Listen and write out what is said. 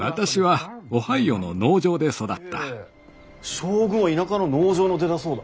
将軍は田舎の農場の出だそうだ。